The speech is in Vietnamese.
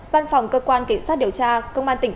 văn phòng cơ quan kiểm soát điều tra công an tỉnh